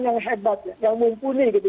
yang hebat yang mumpuni gitu